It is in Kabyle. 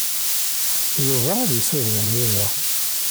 Yuba ad isuden Lwiza.